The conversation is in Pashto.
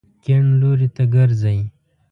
کیڼ لوري ته ګرځئ